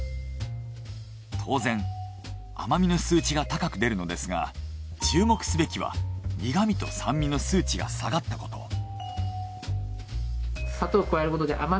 当然甘味の数値が高くでるのですが注目すべきは苦味と酸味の数値が下がったこと。